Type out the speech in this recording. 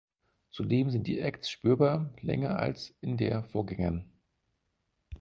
Zudem sind die Acts spürbar länger als in der Vorgängern.